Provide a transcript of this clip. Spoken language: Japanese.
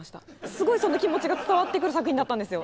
すごいその気持ちが伝わってくる作品だったんですよ。